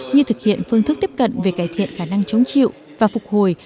như thực hiện phương thức tiếp cận về cải thiện khả năng chống chịu và phục hồi